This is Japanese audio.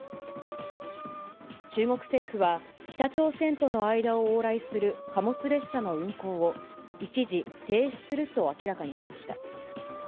中国政府は、北朝鮮との間を往来する貨物列車の運行を、一時停止すると明らかにしました。